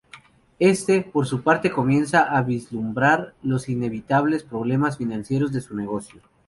Éste, por su parte comienza a vislumbrar los inevitables problemas financieros de su negocio.